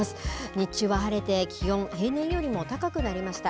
日中は晴れて気温、平年よりも高くなりました。